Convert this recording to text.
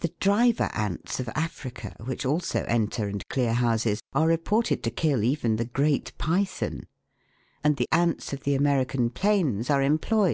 The driver ants of Africa, which also enter and clear houses, are reported to kill even the great python ; and the ants of the American plains are employed, 2to THE WORLD'S LUMBER ROOM.